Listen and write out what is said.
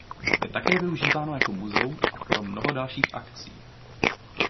Je také využíváno jako muzeum a pro mnoho dalších akcí.